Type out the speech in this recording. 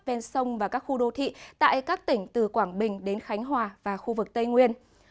ven sông và các khu đô thị tại các tỉnh từ quảng bình đến khánh hòa và khu vực tây nguyên